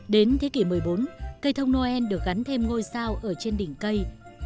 đến thế kỷ một mươi bốn cây thông noel được gắn thêm ngôi sao ở trên đỉnh cây